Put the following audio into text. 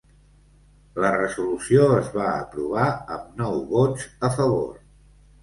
La resolució es va aprovar amb nou vots a favor.